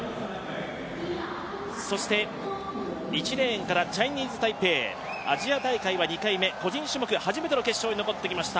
そして１レーンからチャイニーズ・タイペイ、アジア大会は２回目、個人種目初めての決勝に残ってきました